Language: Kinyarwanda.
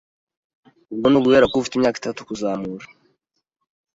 ubwo ni uguhera k’ufite imyaka itatu kuzamura.